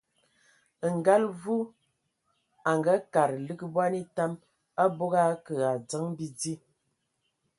Ngal Mvu a ngaakad lig bɔn etam, abog a akǝ a adzǝn bidí.